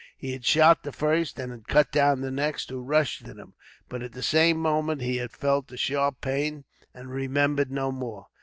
He had shot the first, and cut down the next who rushed at him, but at the same moment he had felt a sharp pain, and remembered no more.